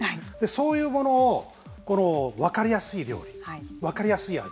そういうものを分かりやすい料理分かりやすい味